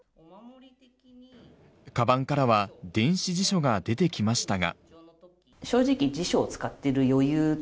かばんからは電子辞書が出てきましたが。